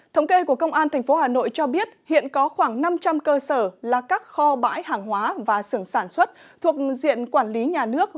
thống kê của công an tp hà nội cho biết hiện có khoảng năm trăm linh cơ sở là các kho bãi hàng hóa và sưởng sản xuất thuộc diện quản lý nhà nước